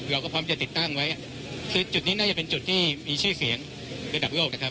เราก็พร้อมจะติดตั้งไว้คือจุดนี้น่าจะเป็นจุดที่มีชื่อเสียงระดับโลกนะครับ